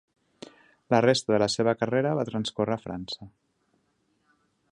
La resta de la seva carrera va transcórrer a França.